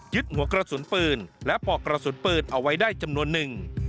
หัวกระสุนปืนและปอกกระสุนปืนเอาไว้ได้จำนวนหนึ่ง